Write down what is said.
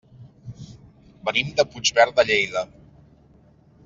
Venim de Puigverd de Lleida.